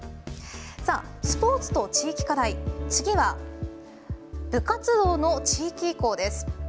スポーツと地域課題、次は部活動の地域移行です。